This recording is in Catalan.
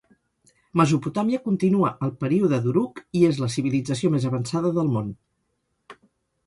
Mesopotàmia continua al Període d'Uruk i és la civilització més avançada del món.